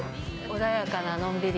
穏やかな、のんびり。